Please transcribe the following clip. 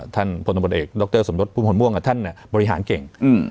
ท่านผลตำรวจเอกดรสมนติภูมิผลม่วงท่านบริหารเก่ง